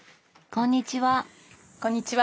こんにちは。